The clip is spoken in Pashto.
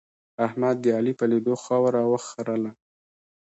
احمد د علي په لیدو خاوره وخرله.